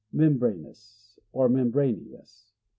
Membranous, or Membraneous.